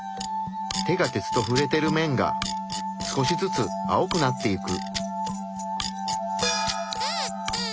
手が鉄とふれてる面が少しずつ青くなっていく。